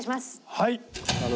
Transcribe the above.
はい。